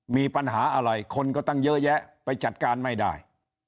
มีปัญหาอะไรคนก็ตั้งเยอะแยะไปจัดการไม่ได้